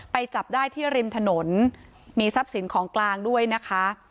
จับได้ที่ริมถนนมีทรัพย์สินของกลางด้วยนะคะ